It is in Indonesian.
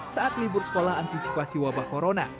saat libur sekolah antisipasi wabah corona